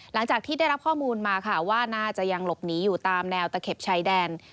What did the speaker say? หลังจากที่ได้รับข้อมูลมาค่ะว่าน่าจะยังหลบหนีอยู่ตามแนวตะเข็บชายแดน